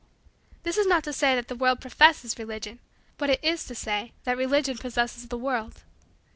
This is not to say that the world professes Religion; but it is to say that Religion possesses the world.